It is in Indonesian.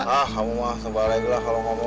ah kamu mah terbaliklah kalau ngomong gitu ya